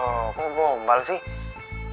oh kok gombal sih